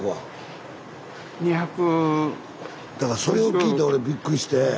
だからそれを聞いて俺びっくりして。